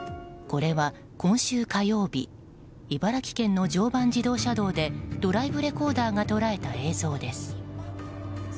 これは、今週火曜日茨城県の常磐自動車道でドライブレコーダーが捉えた映像です。